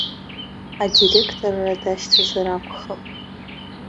Адиреқторра дашьҭазар акәхап!